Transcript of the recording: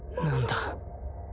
何だ？